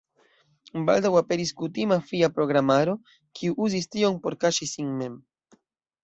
Baldaŭ aperis kutima fia programaro, kiu uzis tion por kaŝi sin mem.